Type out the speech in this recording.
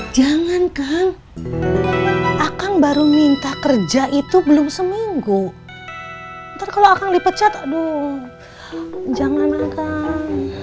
jangan kang baru minta kerja itu belum seminggu ntar kalau akang dipecat aduh jangan akan